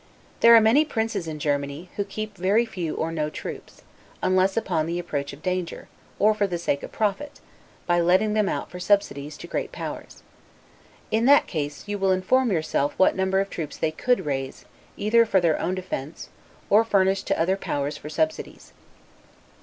There are many princes in Germany, who keep very few or no troops, unless upon the approach of danger, or for the sake of profit, by letting them out for subsidies, to great powers: In that case, you will inform yourself what number of troops they could raise, either for their own defense, or furnish to other powers for subsidies.